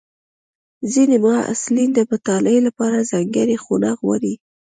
ځینې محصلین د مطالعې لپاره ځانګړې خونه غواړي.